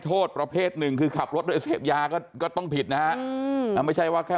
โทษประเภทหนึ่งคือขับรถโดยเสพยาก็ต้องผิดนะฮะไม่ใช่ว่าแค่